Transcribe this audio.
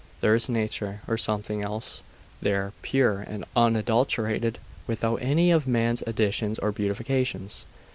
There is nature or something else, there, pure and unadulterated, without any of man's additions or beautifications.